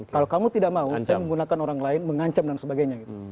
kalau kamu tidak mau saya menggunakan orang lain mengancam dan sebagainya gitu